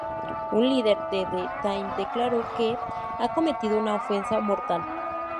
Un líder de The Times declaró que "ha cometido una ofensa mortal.